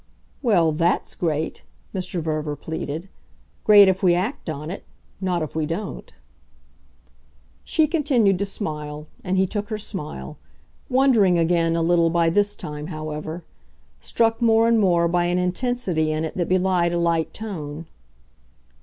"Well, THAT'S great," Mr. Verver pleaded. "Great if we act on it. Not if we don't." She continued to smile, and he took her smile; wondering again a little by this time, however; struck more and more by an intensity in it that belied a light tone.